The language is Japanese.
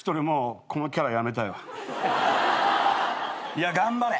いや頑張れ。